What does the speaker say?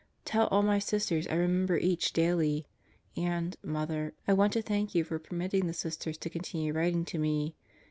Tell all my Sisters I remember each daily. And, Mother, I want to thank you for permitting the Sisters to continue writing to me.